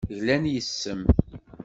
Glan yes-m.